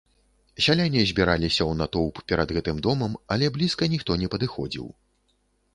Сяляне збіраліся ў натоўп перад гэтым домам, але блізка ніхто не падыходзіў.